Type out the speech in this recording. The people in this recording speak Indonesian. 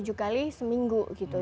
jadi lebih banyak lebih baik gitu